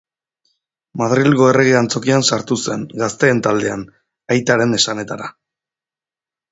Madrilgo Errege Antzokian sartu zen, gazteen taldean, aitaren esanetara.